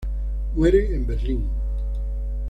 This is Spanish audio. Muere en Berlín.